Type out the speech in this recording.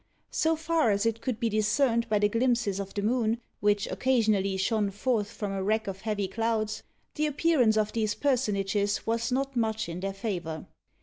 So far as it could be discerned by the glimpses of the moon, which occasionally shone forth from a rack of heavy clouds, the appearance of these personages was not much in their favour.